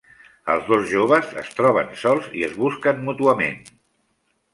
Els dos joves es troben sols i es busquen mútuament.